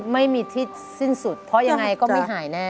ไม่มีที่สิ้นสุดเพราะยังไงก็ไม่หายแน่